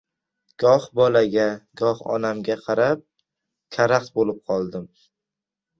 Goh bolaga, goh onamga qarab karaxt bo‘lib qoldim.